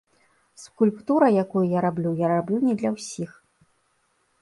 Скульптура, якую я раблю, я раблю не для ўсіх.